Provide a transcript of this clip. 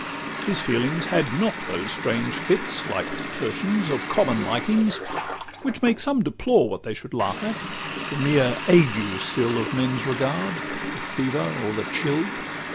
His feelings had not those strange fits, like tertians, Of common likings, which make some deplore What they should laugh at the mere ague still Of men's regard, the fever or the chill.